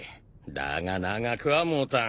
だが長くは持たん。